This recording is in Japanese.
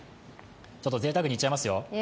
ぜいたくにいっちゃいますよ。